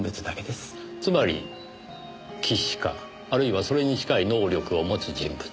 つまり棋士かあるいはそれに近い能力を持つ人物。